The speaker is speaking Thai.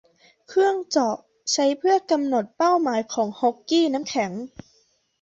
เครื่องเจาะใช้เพื่อกำหนดเป้าหมายของฮ็อกกี้น้ำแข็ง